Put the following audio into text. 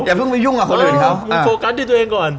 อย่าผึ้งไปยุ่งกับคนอื่นเขามึงโฟกัสตัวเองก่อน